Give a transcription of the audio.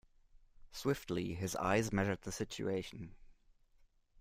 Swiftly his eyes measured the situation.